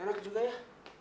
enak juga ya